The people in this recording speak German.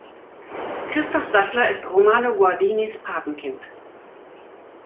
Christoph Sattler ist Romano Guardinis Patenkind.